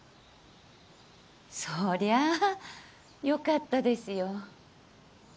そりゃあよかったですよ。